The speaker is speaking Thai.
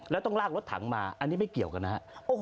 แล้วต้องลากรถถังมาอันนี้ไม่เกี่ยวกันนะครับ